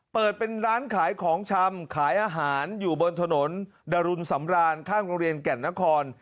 เปิดเป็นร้านขายของชำขายอาหารอยู่บนถนนดรุนสำรานข้างโรงเรียนแก่นนคร